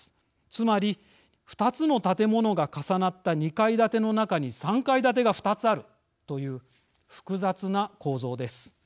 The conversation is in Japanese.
つまり２つの建物が重なった２階建ての中に３階建てが２つあるという複雑な構造です。